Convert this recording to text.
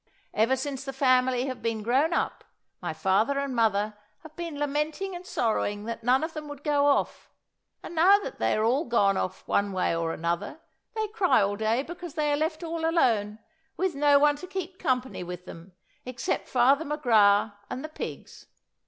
Ever since the family have been grown up, my father and mother have been lamenting and sorrowing that none of them would go off; and now that they're all gone off one way or another, they cry all day because they are left all alone, with no one to keep company with them, except Father McGrath and the pigs.